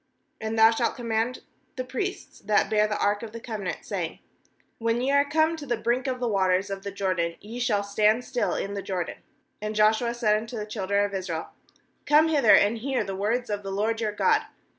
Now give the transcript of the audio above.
8And thou shalt command the priests that bear the ark of the covenant, saying: When ye are come to the brink of the waters of the Jordan, ye shall stand still in the Jordan.' 9And Joshua said unto the children of Israel: 'Come hither, and hear the words of the LORD your God.'